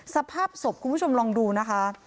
สภาพศพคุณผู้ชมลองดูนะคะ